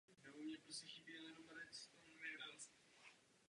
Po odsunu Němců počet obyvatel prudce poklesl.